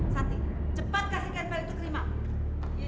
sati cepat kasihkan file itu ke rimanya